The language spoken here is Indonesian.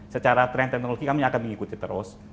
secara tren teknologi kami akan mengikuti terus